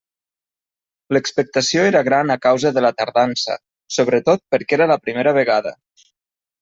L'expectació era gran a causa de la tardança, sobretot perquè era la primera vegada.